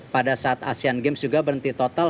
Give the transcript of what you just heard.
pada saat asean games juga berhenti total